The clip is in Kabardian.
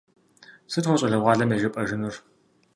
Сыт уэ щӏалэгъуалэм яжепӏэжынур?